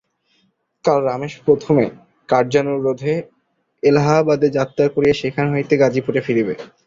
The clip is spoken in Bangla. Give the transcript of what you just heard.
কাল রমেশ প্রথমে কার্যানুরোধে এলাহাবাদে যাত্রা করিয়া সেখান হইতে গাজিপুরে ফিরিবে।